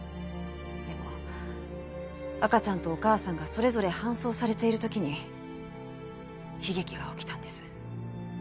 でも赤ちゃんとお母さんがそれぞれ搬送されている時に悲劇が起きたんです。